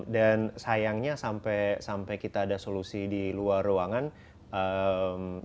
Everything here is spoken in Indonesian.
dan sayangnya sampai kita ada solusi di luar ruangan kita tinggal